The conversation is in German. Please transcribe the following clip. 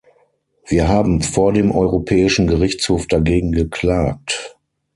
Wir haben vor dem Europäischen Gerichtshof dagegen geklagt.